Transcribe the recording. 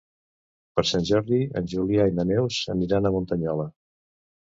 Per Sant Jordi en Julià i na Neus aniran a Muntanyola.